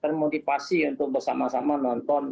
sehingga mereka termotivasi untuk bersama sama nonton band nya